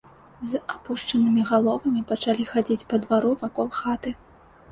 З апушчанымі галовамі пачалі хадзіць па двару, вакол хаты.